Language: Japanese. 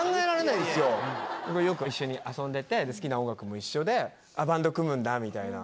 僕はよく一緒に遊んでて好きな音楽も一緒でバンド組むんだみたいな。